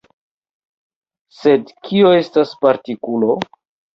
Sed kio estas partikulo?